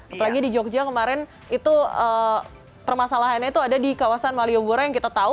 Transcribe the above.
apalagi di jogja kemarin itu permasalahannya itu ada di kawasan malioboro yang kita tahu